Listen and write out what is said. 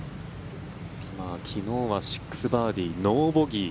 昨日は６バーディー、ノーボギー